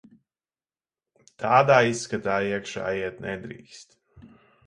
Tādā izskatā iekšā iet nedrīkst.